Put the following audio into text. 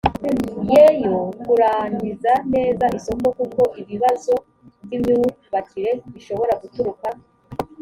ye yo kurangiza neza isoko kuko ibibazo by imyubakire bishobora guturuka